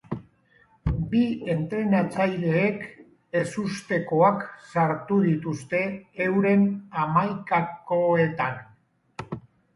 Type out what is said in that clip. Bi entrenatzaileek ezustekoak sartu dituzte euren hamaikakoetan.